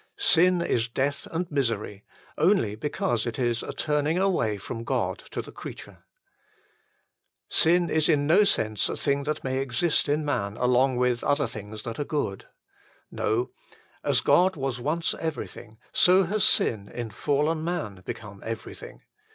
Sin is death and misery, only because it is a turning away from God to the creature. 170 THE FULL BLESSING OF PENTECOST Sin is in no sense a thing that may exist in man along with other things that are good. No : as God was once everything, so has sin in fallen man become everything.